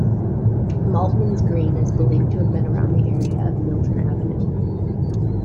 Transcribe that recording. Maltmans Green is believed to have been around the area of Milton Avenue.